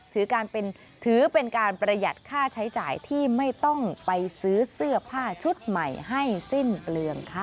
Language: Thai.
ถือเป็นการประหยัดค่าใช้จ่ายที่ไม่ต้องไปซื้อเสื้อผ้าชุดใหม่ให้สิ้นเปลืองค่ะ